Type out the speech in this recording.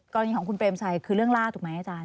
กรณีของคุณเปรมชัยคือเรื่องล่าถูกไหมอาจารย์